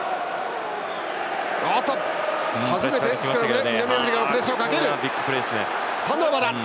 初めてスクラムで南アフリカがプレッシャーをかける。